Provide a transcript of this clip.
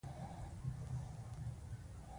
علم د زړه ژوند دی.